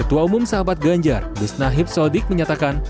ketua umum sahabat ganjar bisnahib sodik menyatakan